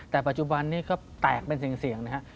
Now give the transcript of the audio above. แต่ปัจจุบันนี้ก็แตกเป็นเสี่ยงนะครับ